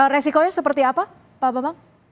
resikonya seperti apa pak bambang